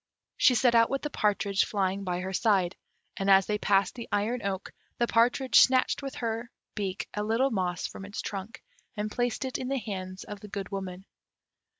She set out with the partridge flying by her side; and as they passed the iron oak, the partridge snatched with her beak a little moss from its trunk, and placed it in the hands of the Good Woman.